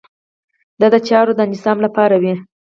دا د چارو د انسجام لپاره وي.